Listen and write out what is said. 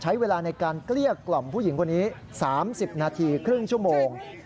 ใช้เวลาในการเกลี้ยกล่อมผู้หญิงคนนี้๓๐นาทีครึ่งชั่วโมง